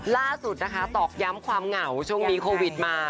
ล่าสุดนะคะตอกย้ำความเหงาช่วงนี้โควิดมา